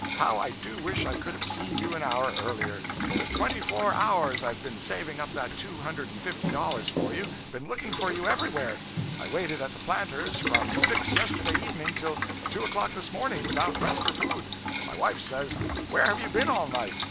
How I do wish I could have seen you an hour earlier! For twenty four hours I've been saving up that two hundred and fifty dollars for you; been looking for you everywhere. I waited at the Planter's from six yesterday evening till two o'clock this morning, without rest or food; my wife says, "Where have you been all night?"